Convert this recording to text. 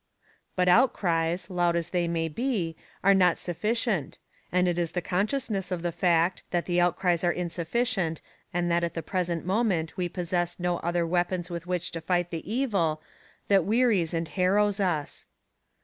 But outcries, loud as they may be, are not sufficient, and it is the consciousness of the fact, that the outcries are insufficient and that at the present moment we possess no other weapons with which to fight the evil that wearies and harrows us.